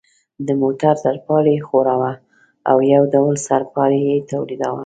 د موټر ترپال یې ښوراوه او یو ډول سړپاری یې تولیداوه.